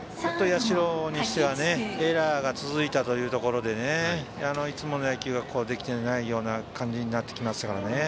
社にしてはエラーが続いたというところでいつもの野球ができていない感じになってきますよね。